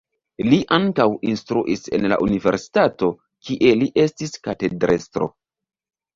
Li ankaŭ instruis en la universitato, kie li estis katedrestro.